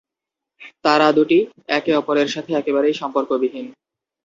তারা দুটি একে অপরের সাথে একেবারেই সম্পর্ক বিহীন।